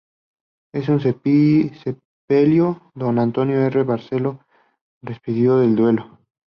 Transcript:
En su sepelio, Don Antonio R. Barceló despidió el duelo.